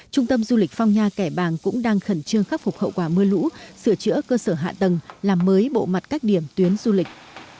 trung tâm du lịch phong nha kẻ bàng cũng đang khẩn trương khắc phục hậu quả mưa lũ sửa chữa cơ sở hạ tầng làm mới bộ mặt các điểm tuyến du lịch